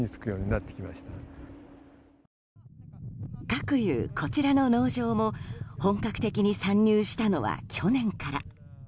かくいうこちらの農場も本格的に参入したのは去年から。